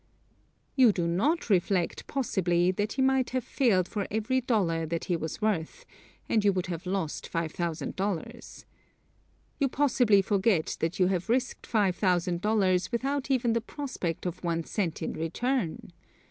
You do not reflect, possibly, that he might have failed for every dollar that he was worth, and you would have lost $5,000. You possibly forget that you have risked $5,000 without even the prospect of one cent in return.